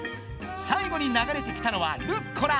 最後に流れてきたのはルッコラ。